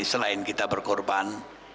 selain kita berkorban